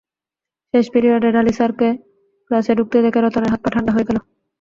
শেষ পিরিয়ডে ঢালি স্যারকে ক্লাসে ঢুকতে দেখে রতনের হাত-পা ঠান্ডা হয়ে গেল।